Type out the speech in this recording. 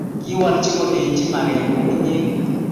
Kiwolchi kolech magengung inyegei